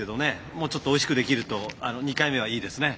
もうちょっとおいしくできると２回目はいいですね。